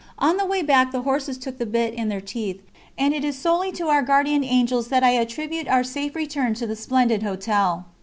On the way back the horses took the bit in their teeth, and it is solely to our Guardian Angels that I attribute our safe return to the splendid hotel.